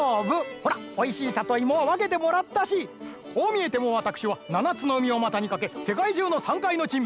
ほらおいしいさといもはわけてもらったしこうみえてもわたくしはななつのうみをまたにかけせかいじゅうのさんかいのちんみ